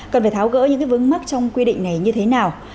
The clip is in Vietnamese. cần phải tháo gỡ những vững mắc trong quy định này như thế nào